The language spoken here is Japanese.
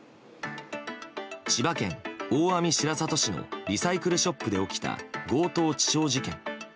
千葉県大網白里市のリサイクルショップで起きた強盗致傷事件。